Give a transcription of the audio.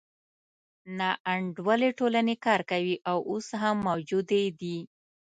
ناانډولې ټولنې کار کوي او اوس هم موجودې دي.